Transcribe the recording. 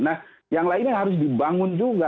nah yang lainnya harus dibangun juga